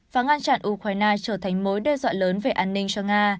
và ngăn chặn ukraine trở thành mối đe dọa lớn về an ninh cho nga